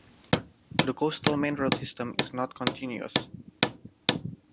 The coastal main road system is not continuous.